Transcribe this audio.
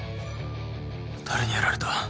誰にやられた？